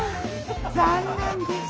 残念です。